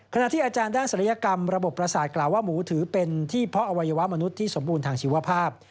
ขณะที่อาจารย์ด้านศัลยกรรมระบบประสาทกล่าวว่าหมูถือเป็นที่เพาะอวัยวะมนุษย์ที่สมบูรณ์ทางชีวภาพ